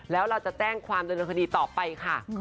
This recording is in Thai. แล้วเราจะแจ้งความดำเนินคดีต่อไปค่ะ